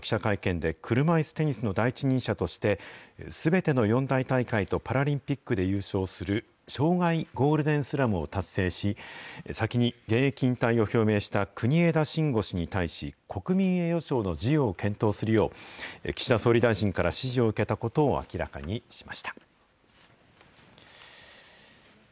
松野官房長官は、午後の記者会見で、車いすテニスの第一人者として、すべての四大大会とパラリンピックで優勝する、生涯ゴールデンスラムを達成し、先に現役引退を表明した国枝慎吾氏に対し、国民栄誉賞の授与を検討するよう、岸田総理大臣から指示を受けたことを明らかにしました。